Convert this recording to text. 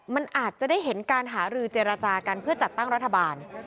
มันอาจจะได้เห็นการหารือเจรจากันเพื่อจัดตั้งรัฐบาล